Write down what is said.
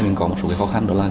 mình có một số khó khăn đó là